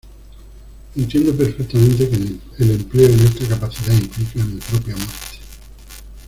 Entiendo perfectamente que el empleo en esta capacidad implica mi propia muerte"".